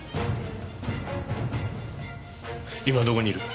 今どこにいる？